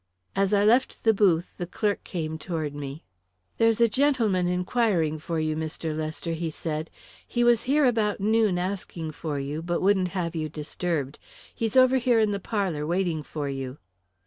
As I left the booth, the clerk came toward me. "There's a gentleman inquiring for you, Mr. Lester," he said. "He was here about noon asking for you, but wouldn't have you disturbed. He's over here in the parlour, waiting for you."